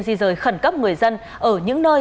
di rời khẩn cấp người dân ở những nơi